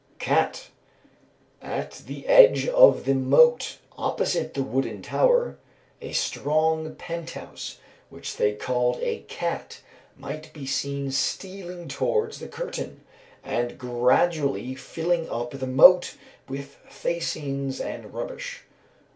Cat. "At the edge of the moat, opposite the wooden tower, a strong penthouse, which they called a 'cat,' might be seen stealing towards the curtain, and gradually filling up the moat with facines and rubbish."